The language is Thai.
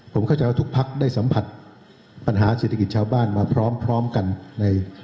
ผมเข้าใจว่าทุกพักได้สัมผัสปัญหาเศรษฐกิจชาวบ้านมาพร้อมกันใน